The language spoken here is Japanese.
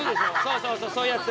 そうそう、そういうやつ。